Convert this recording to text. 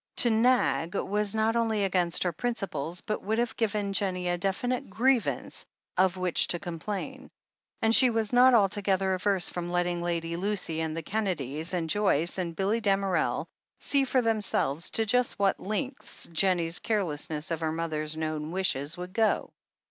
To "nag" was not only against her principles, but would have given Jennie a definite grievance of which to com 346 THE HEEL OF ACHILLES plain. And she was not altogether averse from letting Lady Lucy and the Kennedys, and Joyce and Billy Damerel, see for themselves to just what lengths Jennie's carelessness of her mother's known wishes would go.